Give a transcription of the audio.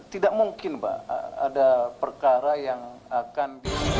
tidak mungkin pak ada perkara yang akan di